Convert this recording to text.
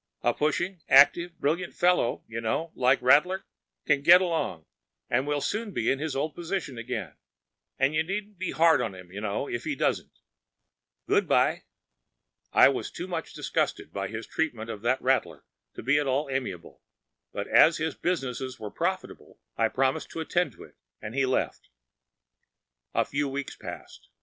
A pushing, active, brilliant fellow, you know, like Rattler can get along, and will soon be in his old position again,‚ÄĒand you needn’t be hard on him, you know, if he doesn’t. Good by.‚ÄĚ I was too much disgusted with his treatment of that Rattler to be at all amiable, but as his business was profitable, I promised to attend to it, and he left. A few weeks passed.